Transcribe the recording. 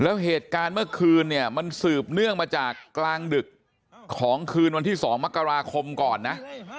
แล้วเหตุการณ์เมื่อคืนเนี่ยมันสืบเนื่องมาจากกลางดึกของคืนวันที่๒มกราคมก่อนนะ